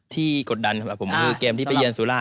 ที่กดดันนะครับผมมันคือเกมที่ไปเยินสุราณ